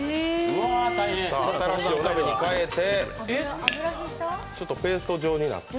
新しいお鍋に変えて、ちょっとペースト状になった？